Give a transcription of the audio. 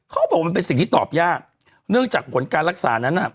เขาบอกว่ามันเป็นสิ่งที่ตอบยากเนื่องจากผลการรักษานั้นน่ะ